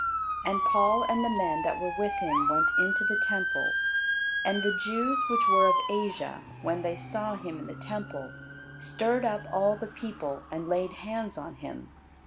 And Paul and the men that were with him went into the temple. And the Jews which were of Asia, when they saw him in the temple, stirred up all the people, and laid hands on him.